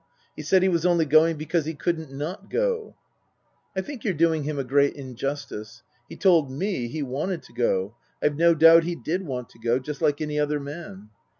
He said he was only going because he couldn't not go." " I think you're doing him a great injustice. He told me he wanted to go ; I've no doubt he did want to go just like any other man."